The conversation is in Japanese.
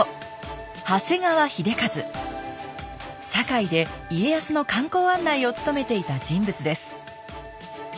堺で家康の観光案内を務めていた人物です。